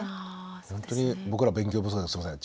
ほんとに僕ら勉強不足ですみません